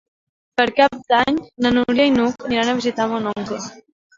Per Cap d'Any na Núria i n'Hug aniran a visitar mon oncle.